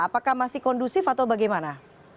apakah masih kondusif atau bagaimana